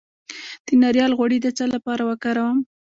د ناریل غوړي د څه لپاره وکاروم؟